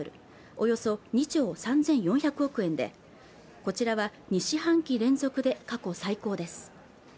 およそ２兆３４００億円でこちらは２四半期連続で過去最高です